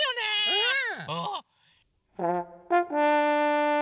うん！